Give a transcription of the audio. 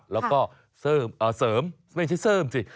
แล้วก็เสริมเอ่อเสริมไม่ใช่เสริมสิ